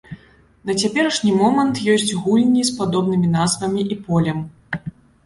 На цяперашні момант ёсць гульні з падобнымі назвамі і полем.